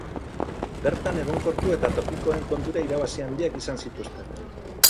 Bertan egonkortu eta tokikoen kontura irabazi handiak izan zituzten.